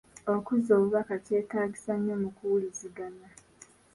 Okuzza obubaka kyetaagisa nnyo mu kuwuliziganya.